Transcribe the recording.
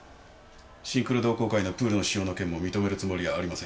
シンクロ同好会のプールの使用の件も認めるつもりはありません。